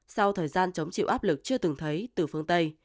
sau thời gian chống chịu áp lực chưa từng thấy từ phương tây